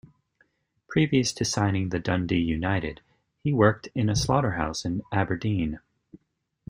Previous to signing for Dundee United, he worked in a slaughter house in Aberdeen.